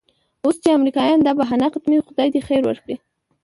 اوس چې امریکایان دا بهانه ختموي خدای دې خیر ورکړي.